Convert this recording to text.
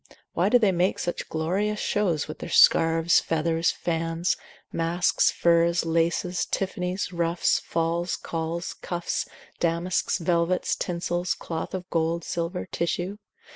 why do they make such glorious shows with their scarves, feathers, fans, masks, furs, laces, tiffanies, ruffs, falls, calls, cuffs, damasks, velvets, tinsels, cloth of gold, silver, tissue?